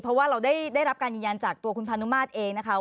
เพราะว่าเราได้รับการยืนยันจากตัวคุณพานุมาตรเองนะคะ